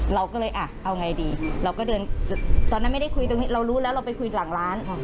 เราก็เลยอ่ะเอาไงดีเราก็เดินตอนนั้นไม่ได้คุยตรงนี้เรารู้แล้วเราไปคุยหลังร้าน